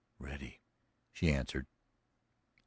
"Ready," she answered.